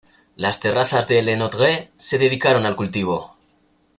Las terrazas de Le Nôtre se dedicaron al cultivo.